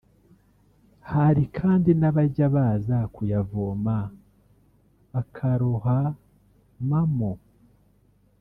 hari kandi n’abajya baza kuyavoma bakarohamamo